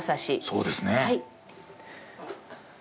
そうですね。